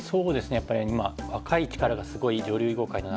やっぱり若い力がすごい女流囲碁界の中で。